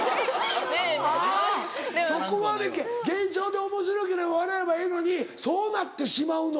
あぁそこまで現象でおもしろければ笑えばええのにそうなってしまうのか。